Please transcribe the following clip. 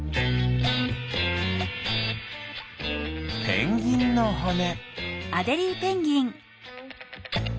ペンギンのほね。